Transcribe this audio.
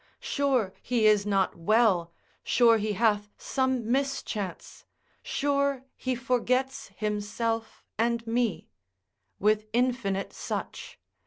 sure he is not well; sure he hath some mischance; sure he forgets himself and me; with infinite such.